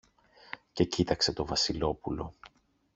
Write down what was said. και κοίταξε το Βασιλόπουλο.